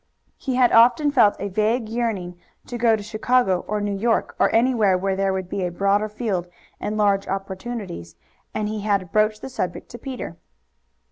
He had often felt a vague yearning to go to Chicago or New York, or anywhere where there would be a broader field and large opportunities, and he had broached the subject to Peter.